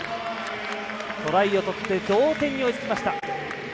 トライを取って同点に追いつきました。